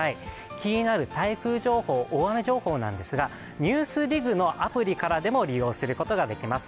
気になる台風情報大雨情報なんですが「ＮＥＷＳＤＩＧ」のアプリからも利用することができます。